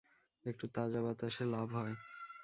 একটু তাজা বাতাসে লাভ হয়।